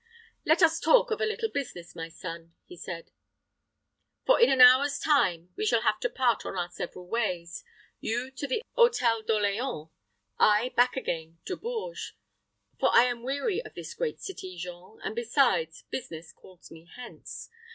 "Let us talk of a little business, my son," he said; "for in an hour's time we shall have to part on our several ways; you to the Hôtel d'Orleans, I back again to Bourges; for I am weary of this great city, Jean, and besides, business calls me hence.